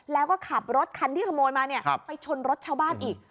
แล้วก็ขับรถคันที่ขโมยมาไปชนรถชาวบ้านอีก